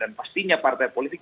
dan pastinya partai politik